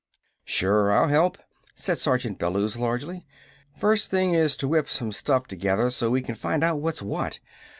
"Sure, I'll help," said Sergeant Bellews largely. "First thing is to whip some stuff together so we can find out what's what.